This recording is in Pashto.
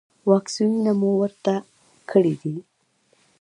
واکسینونه مو ورته کړي دي؟